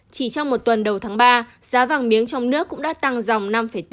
chỉ trong một tuần đầu tháng ba giá vàng miếng trong nước cũng đã tăng dòng năm bốn